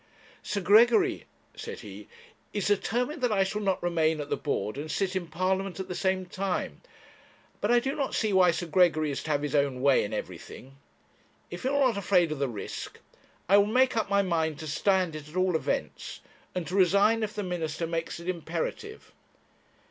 'Sir Gregory,' said he, 'is determined that I shall not remain at the board and sit in Parliament at the same time; but I do not see why Sir Gregory is to have his own way in everything. If you are not afraid of the risk, I will make up my mind to stand it at all events, and to resign if the Minister makes it imperative.